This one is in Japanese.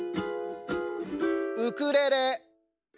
ウクレレ。